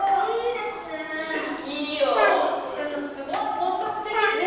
でもすごい本格的ですね。